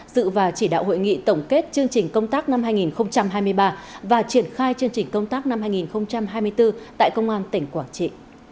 dự và chỉ đạo hội nghị tổng kết chương trình công tác năm hai nghìn hai mươi ba và triển khai chương trình công tác năm hai nghìn hai mươi bốn tại công an tỉnh quảng trị